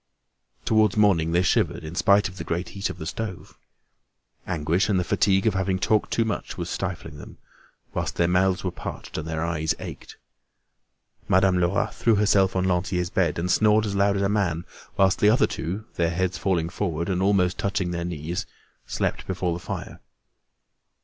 Towards morning, they shivered, in spite of the great heat of the stove. Anguish, and the fatigue of having talked too much was stifling them, whilst their mouths were parched, and their eyes ached. Madame Lerat threw herself on Lantier's bed, and snored as loud as a man; whilst the other two, their heads falling forward, and almost touching their knees, slept before the fire.